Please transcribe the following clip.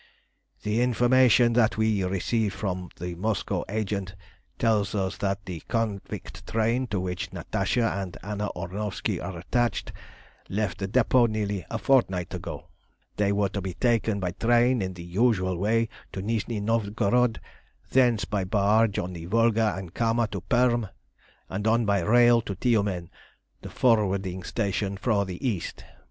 "The information that we have received from the Moscow agent tells us that the convict train to which Natasha and Anna Ornovski are attached left the depot nearly a fortnight ago; they were to be taken by train in the usual way to Nizhni Novgorod, thence by barge on the Volga and Kama to Perm, and on by rail to Tiumen, the forwarding station for the east.